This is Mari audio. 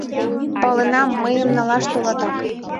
Паленам, мыйым налаш толатак!